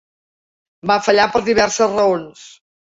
Va fallar per diverses raons.